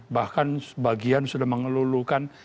bahkan sebagian sudah mengelulukan